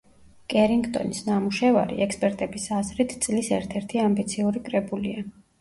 კერინგტონის ნამუშევარი ექსპერტების აზრით, წლის ერთ-ერთი ამბიციური კრებულია.